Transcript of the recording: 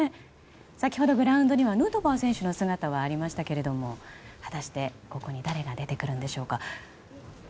先ほどグラウンドにはヌートバー選手の姿はありましたが果たして誰が出てくるんでしょうか。